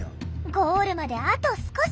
ゴールまであと少し。